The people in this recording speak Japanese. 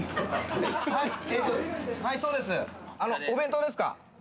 お弁当ですか？